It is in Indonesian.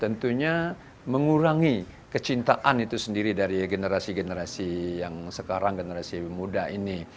tentunya mengurangi kecintaan itu sendiri dari generasi generasi yang sekarang generasi muda ini